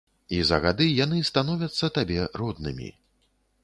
І за гады яны становяцца табе роднымі.